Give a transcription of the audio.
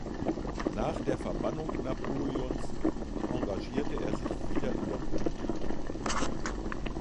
Nach der Verbannung Napoleons engagierte er sich wieder in der Politik.